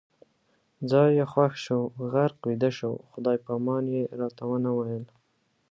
ځای یې خوښ شو، غرق ویده شو، خدای پامان یې راته نه ویل